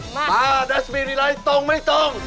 มาดัชมีดีไลค์ตรงไม่ตรง